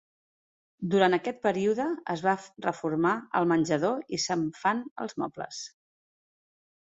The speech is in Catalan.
Durant aquest període es va reformar el menjador i se'n fan els mobles.